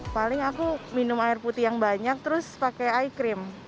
paling aku minum air putih yang banyak terus pakai ice cream